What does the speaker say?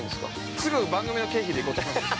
◆すぐ、番組の経費で行こうとしますよ。